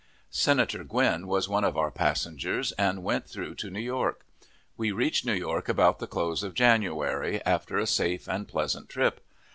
Senator Gwin was one of our passengers, and went through to New York. We reached New York about the close of January, after a safe and pleasant trip.